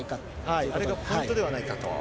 それがポイントではないかと。